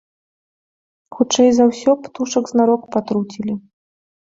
Хутчэй за ўсё, птушак знарок патруцілі.